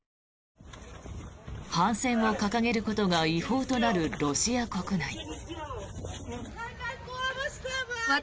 反戦を掲げることが違法となるロシア国内。